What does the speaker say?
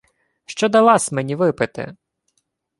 — Що дала-с мені випити?